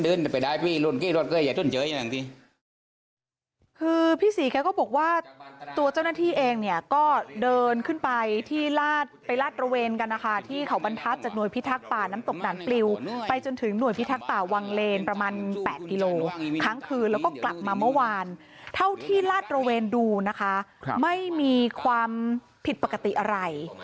คือพี่ศรีแกก็บอกว่าตัวเจ้าหน้าที่เองเนี่ยก็เดินขึ้นไปที่ลาดไปลาดระเวนกันนะคะที่เขาบรรทัศน์จากหน่วยพิทักษ์ป่าน้ำตกด่านปลิวไปจนถึงหน่วยพิทักษ์ป่าวังเลนประมาณ๘กิโลครั้งคืนแล้วก็กลับมาเมื่อวานเท่าที่ลาดตระเวนดูนะคะไม่มีความผิดปกติอะไร